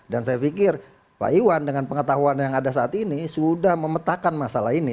dan saya pikir pak iwan dengan pengetahuan yang ada saat ini sudah memetakan masalah ini